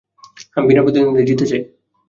আমি বিনা প্রতিদ্বন্দ্বিতায় জিততে চাই।